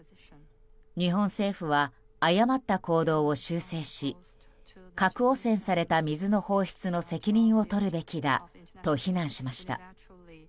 日本政府は誤った行動を修正し核汚染された水の放出の責任を取るべきだと非難しました。